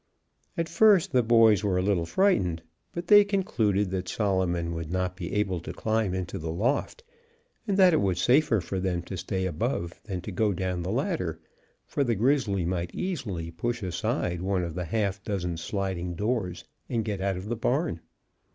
At first the boys were a little frightened, but they concluded that Solomon would not be able to climb into the loft, and that it was safer for them to stay above than to go down the ladder, for the grizzly might easily push aside one of the half dozen sliding doors and get out of the barn.